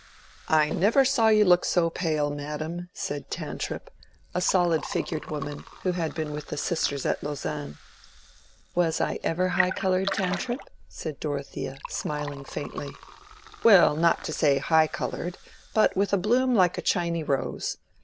"I never saw you look so pale, madam," said Tantripp, a solid figured woman who had been with the sisters at Lausanne. "Was I ever high colored, Tantripp?" said Dorothea, smiling faintly. "Well, not to say high colored, but with a bloom like a Chiny rose.